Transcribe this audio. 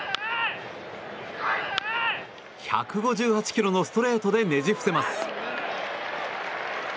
１５８キロのストレートでねじ伏せます。